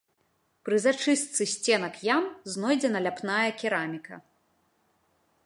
Пры зачыстцы сценак ям знойдзена ляпная кераміка.